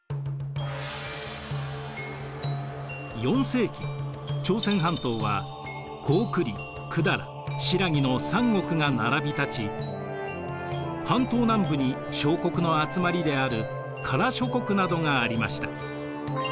４世紀朝鮮半島は高句麗百済新羅の三国が並びたち半島南部に小国の集まりである加羅諸国などがありました。